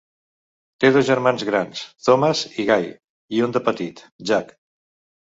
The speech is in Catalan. Té dos germans grans, Thomas i Guy, i un de petit, Jack.